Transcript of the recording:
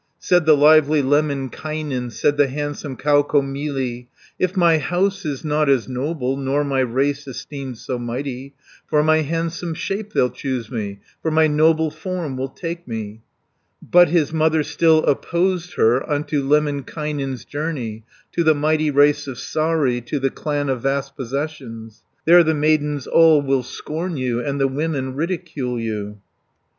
Said the lively Lemminkainen, Said the handsome Kaukomieli, "If my house is not as noble, Nor my race esteemed so mighty, For my handsome shape they'll choose me, For my noble form will take me." But his mother still opposed her Unto Lemminkainen's journey, 80 To the mighty race of Saari, To the clan of vast possessions. "There the maidens all will scorn you, And the women ridicule you."